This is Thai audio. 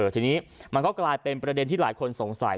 ทีนี้มันก็กลายเป็นประเด็นที่หลายคนสงสัย